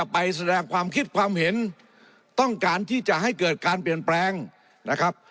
ไปแสดงความคิดความเห็นต้องการที่จะให้เกิดการเปลี่ยนแปลงนะครับ